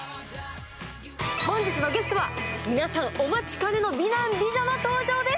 本日のゲストは皆さんお待ちかねの美男美女の登場です。